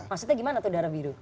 maksudnya gimana tuh darah biru